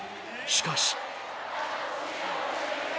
しかし